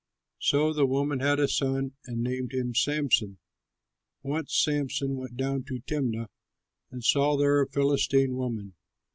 So the woman had a son and named him Samson. Once Samson went down to Timnah and saw there a Philistine woman.